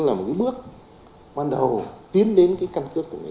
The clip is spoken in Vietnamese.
nó là một cái bước ban đầu tiến đến cái căn cước của người ta